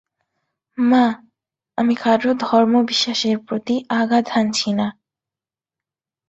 মা, আমি কারো ধর্ম বিশ্বাসের প্রতি আঘাত হানছি না।